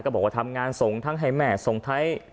บอกว่าทำงานส่งทั้งให้แม่ส่งท้าย